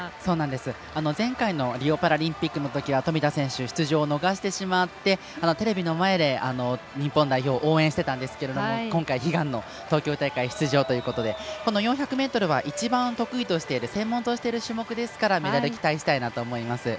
前回のリオパラリンピックのときは富田選手出場を逃してしまって、テレビの前で日本代表を応援していたんですけど今回、悲願の東京大会出場ということで４００ｍは一番得意としている専門としている種目なのでメダルを期待したいなと思います。